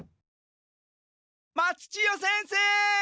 松千代先生！